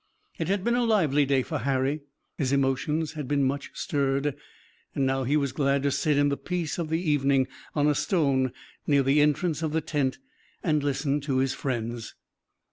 It had been a lively day for Harry, his emotions had been much stirred, and now he was glad to sit in the peace of the evening on a stone near the entrance of the tent, and listen to his friends.